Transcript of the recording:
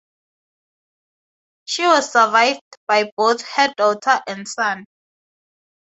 She was survived by both her daughter and son.